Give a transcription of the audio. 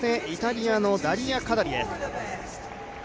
イタリアのダリア・カダリです。